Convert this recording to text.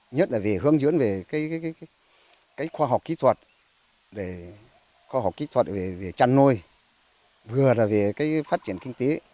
nhất là về hướng dưỡng về khoa học kỹ thuật khoa học kỹ thuật về trăn nôi vừa là về phát triển kinh tế